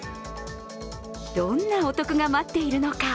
どんなお得が待っているのか。